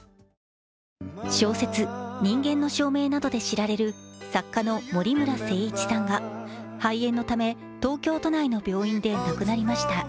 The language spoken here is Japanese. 小説「人間の証明」などで知られる作家の森村誠一さんが肺炎のため東京都内の病院で亡くなりました。